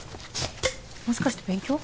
もしかして勉強？